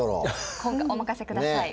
今回お任せください。